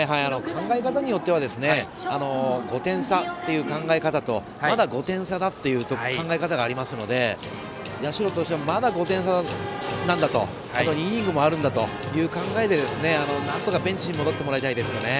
考え方によっては５点差っていう考え方とまだ５点差だという考え方がありますので社としてはまだ５点差なんだとあと２イニングもあるんだという考えでなんとかベンチに戻ってもらいたいですね。